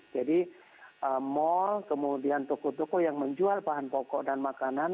jadi mall kemudian toko toko yang menjual bahan pokok dan makanan